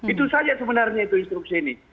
itu saja sebenarnya itu instruksi ini